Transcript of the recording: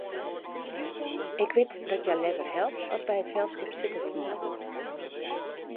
Ik wit dat hja leaver helpt as by it selskip sitte te moatten.